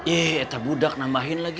ih etar budak namahin lagi